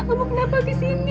kamu kenapa di sini